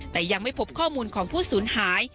แต่ยังไม่พบข้อมูลของผู้สูญหาย